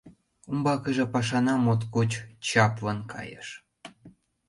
Умбакыже пашана моткоч чаплын кайыш!